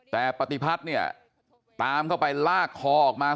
แต่ปฏิพัฒน์เนี่ยตามเข้าไปลากคอออกมา